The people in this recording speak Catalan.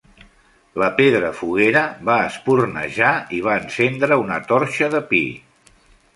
La pedra foguera va espurnejar i va encendre una torxa de pi.